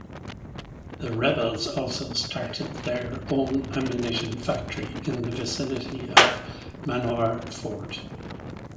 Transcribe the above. The rebels also started their own ammunition factory in the vicinity of Manohar fort.